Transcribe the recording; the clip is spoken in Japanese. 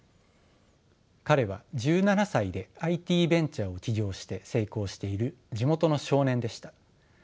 彼は１７歳でＩＴベンチャーを起業して成功している地元の少年でした。